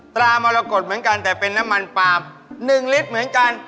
ตามรกฏเหมือนกันแต่เป็นน้ำมันปลาม๑ลิตรเหมือนกัน